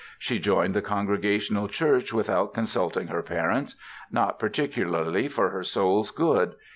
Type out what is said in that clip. She joined the Congregational Church without consulting her parents; not particularly for her soul's good.